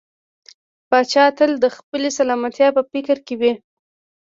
پاچا تل د خپلې سلامتيا په فکر کې وي .